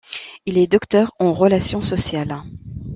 Il est docteur en relations sociales.